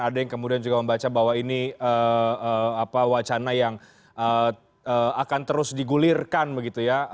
ada yang kemudian juga membaca bahwa ini wacana yang akan terus digulirkan begitu ya